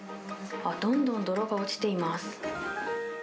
どんどん泥が落ちています。